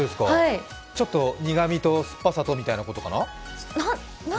ちょっと苦みと酸っぱさとということかな？